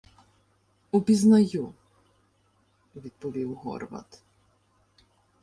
— Упізнаю, — відповів Горват.